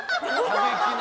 過激な。